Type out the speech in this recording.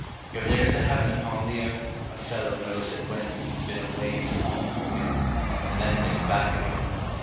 If there's a heaven upon the earth, a fellow knows it when He's been away from home a week, and then gets back again.